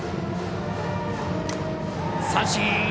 三振。